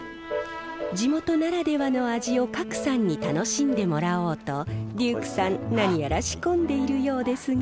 地元ならではの味を賀来さんに楽しんでもらおうとデュークさん何やら仕込んでいるようですが。